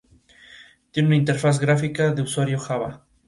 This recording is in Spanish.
Maček fue nombrado viceprimer ministro.